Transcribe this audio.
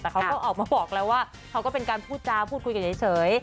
แต่เขาก็ออกมาบอกแล้วว่าเขาก็เป็นการพูดจาพูดคุยกันเฉย